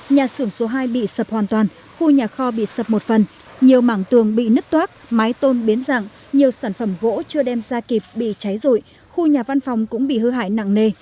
nhà xưởng số hai bị sập hoàn toàn khu nhà kho bị sập một phần nhiều mảng tường bị nứt toác mái tôn biến rặng nhiều sản phẩm gỗ chưa đem ra kịp bị cháy rụi khu nhà văn phòng cũng bị hư hại nặng nề